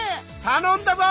たのんだぞ！